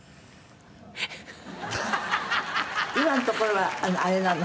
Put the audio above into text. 今のところはあれなの？